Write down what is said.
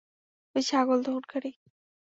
ওই ছাগল দোহনকারী।